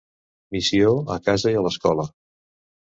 Missió, a casa i a l'escola.